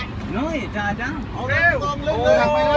ปิดด้วยอย่าไปปิดด้วยอย่าไปใจเย็นใจเย็นลงรอดเลย